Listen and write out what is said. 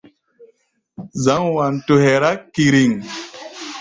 Zǎŋ Wanto hɛra kíríŋ.